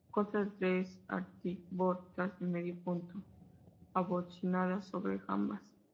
Consta de tres arquivoltas de medio punto abocinadas sobre jambas.